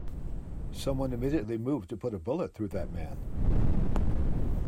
Someone immediately moved to put a bullet through that man.